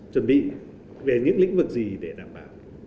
chuẩn bị về những lĩnh vực gì để đảm bảo